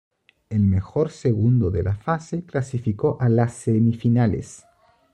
El mejor segundo de la fase clasificó a las semifinales.